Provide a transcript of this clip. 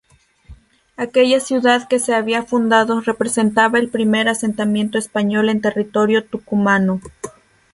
Aquella ciudad que se había fundado, representaba el primer asentamiento español en territorio tucumano.